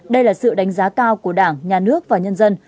đây là sự đánh giá cao của đảng nhà nước và nhân dân